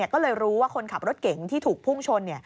ก็เลยรู้ว่าคนขับรถเก๋งที่ถูกพุ่งชน